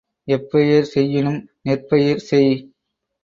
எப்பயிர் செய்யினும் நெற்பயிர் செய்.